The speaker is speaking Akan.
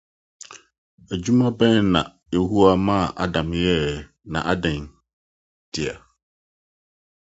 Adwuma bɛn na Yehowa maa Adam yɛe, na adɛn ntia?